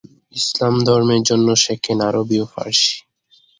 ইসলাম ধর্মের জন্য শেখেন আরবি ও ফারসি।